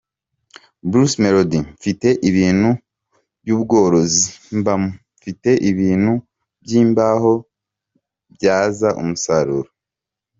Bruce Melody: Mfite ibintu by’ubworozi mbamo, mfite ibintu by’imbaho mbyaza umusaruro….